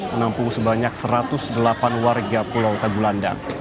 menampung sebanyak satu ratus delapan warga pulau tagulandang